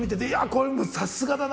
これさすがだな。